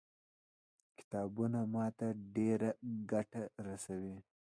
کتابونه ما ته ډېره ګټه رسوي.